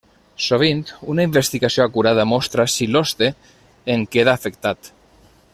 Sovint una investigació acurada mostra si l'hoste en queda afectat.